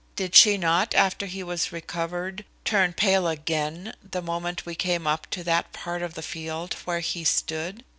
Did she not, after he was recovered, turn pale again the moment we came up to that part of the field where he stood?